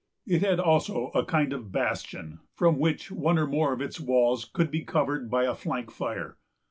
It had also a kind of bastion, from which one or more of its walls could be covered by a flank fire.